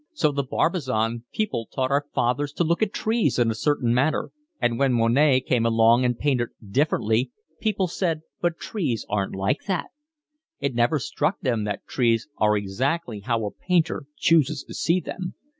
So the Barbizon people taught our fathers to look at trees in a certain manner, and when Monet came along and painted differently, people said: But trees aren't like that. It never struck them that trees are exactly how a painter chooses to see them.